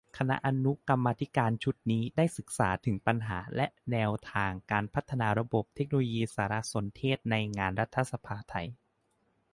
คณะอนุกรรมาธิการชุดนี้ ได้ศึกษาถึงปัญหา และ แนวทางการพัฒนาระบบเทคโนโลยีสารสนเทศในงานรัฐสภาไทย